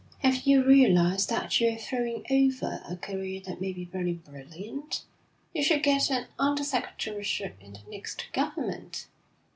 'Have you realised that you are throwing over a career that may be very brilliant? You should get an under secretaryship in the next government.'